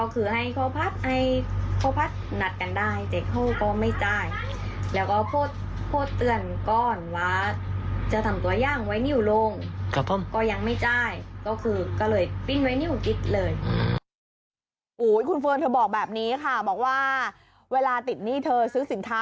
คุณเฟิร์นเธอบอกแบบนี้ค่ะบอกว่าเวลาติดหนี้เธอซื้อสินค้า